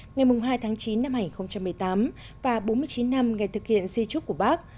ngày hai tháng chín năm hai nghìn một mươi tám và bốn mươi chín năm ngày thực hiện di trúc của bác